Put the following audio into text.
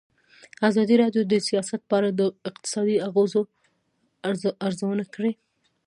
ازادي راډیو د سیاست په اړه د اقتصادي اغېزو ارزونه کړې.